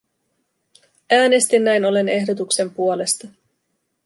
Äänestin näin ollen ehdotuksen puolesta.